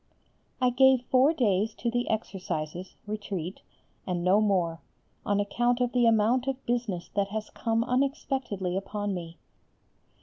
I gave four days to the Exercises (Retreat), and no more, on account of the amount of business that has come unexpectedly upon me.